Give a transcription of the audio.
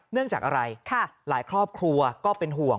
เนื่องจากอะไรหลายครอบครัวก็เป็นห่วง